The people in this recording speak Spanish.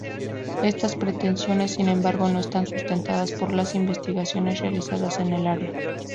Esas pretensiones, sin embargo, no están sustentadas por las investigaciones realizadas en el área.